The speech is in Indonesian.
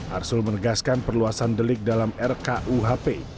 arsul menegaskan perluasan delik dalam rkuhp